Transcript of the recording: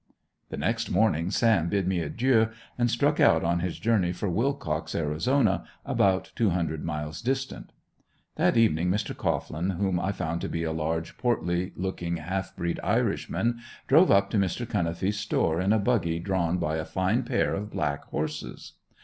The next morning Sam bid me adieu and struck out on his journey for Willcox, Arizona, about two hundred miles distant. That evening Mr. Cohglin, whom I found to be a large, portly looking half breed Irishman, drove up to Mr. Cunnifee's store in a buggy drawn by a fine pair of black horses.